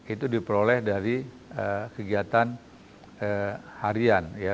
itu diperoleh dari kegiatan harian